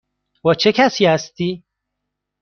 با چه کسی هستی؟